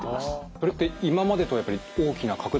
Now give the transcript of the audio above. それって今までとはやっぱり大きな格段の進歩。